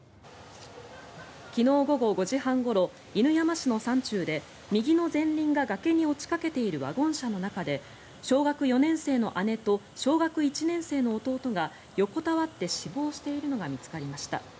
昨日午後５時半ごろ犬山市の山中で右の前輪が崖に落ちかけているワゴン車の中で小学４年生の姉と小学１年生の弟が横たわって死亡しているのが見つかりました。